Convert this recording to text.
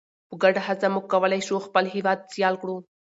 په ګډه هڅه موږ کولی شو خپل هیواد سیال کړو.